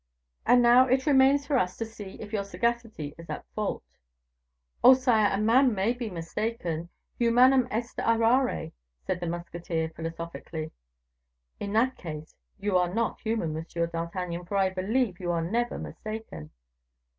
"And now, it remains for us to see if your sagacity is at fault." "Oh! sire, a man may be mistaken; humanum est errare," said the musketeer, philosophically. "In that case, you are not human, Monsieur d'Artagnan, for I believe you are never mistaken."